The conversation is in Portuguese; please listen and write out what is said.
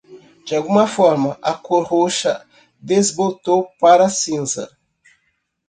De alguma forma, a cor roxa desbotou para cinza.